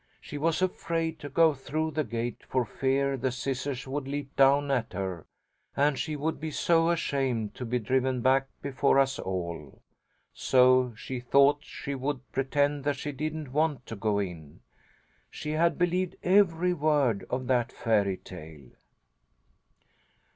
She was afraid to go through the gate for fear the scissors would leap down at her, and she would be so ashamed to be driven back before us all. So she thought she would pretend that she didn't want to go in. She had believed every word of that fairy tale.